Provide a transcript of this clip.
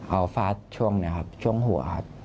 เอาฟาสช่วงหัว